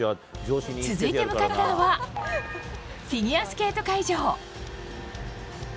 続いて向かったのはフィギュアスケート会場。